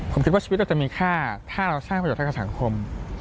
ผมคิดว่าชีวิตเราจะมีค่าถ้าเราสร้างประโยชนให้กับสังคม